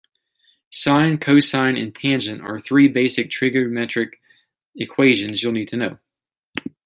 Sine, cosine and tangent are three basic trigonometric equations you'll need to know.